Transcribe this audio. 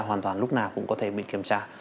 hoàn toàn lúc nào cũng có thể bị kiểm tra